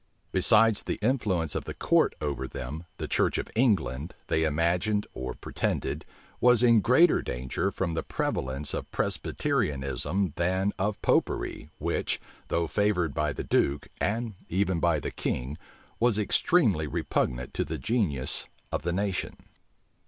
Besides the influence of the court over them, the church of England, they imagined or pretended, was in greater danger from the prevalence of Presbyterianism than of Popery, which, though favored by the duke, and even by the king was extremely repugnant to the genius of the nation.